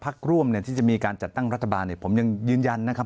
๘พักร่วมที่จะมีการจัดตั้งรัฐบาลผมยังยืนยันนะครับ